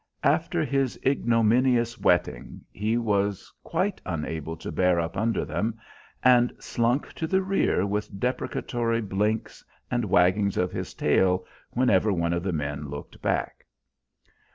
After his ignominious wetting he was quite unable to bear up under them, and slunk to the rear with deprecatory blinks and waggings of his tail whenever one of the men looked back.